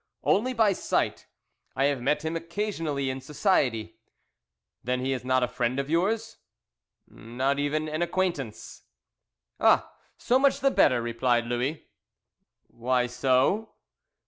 "Only by sight. I have met him occasionally in society." "Then he is not a friend of yours?" "Not even an acquaintance." "Ah, so much the better," replied Louis. "Why so?"